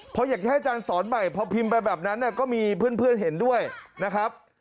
พออยากจะให้อาจารย์สอนใหม่พอพิมพ์ไปแบบนั้นก็มีเพื่อนเห็นด้วยนะครับ